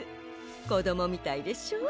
こどもみたいでしょ？